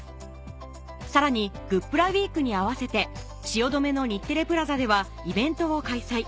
さらにグップラウィークに合わせて汐留の日テレプラザではイベントを開催